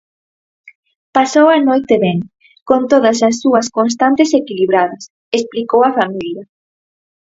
"Pasou a noite ben, con todas as súas constantes equilibradas", explicou a familia.